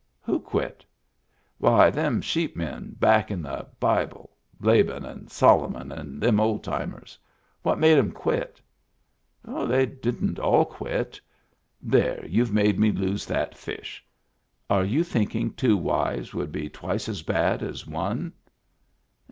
"Who quit?" "Why, them sheep men back in the Bible — Laban and Solomon and them old timers. What made 'em quit ?" "They didn't all quit. There, you've made me lose that fish. Are you thinking two wives would be twice as bad as one